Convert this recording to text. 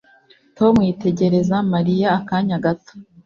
Tom yitegereza Mariya akanya gato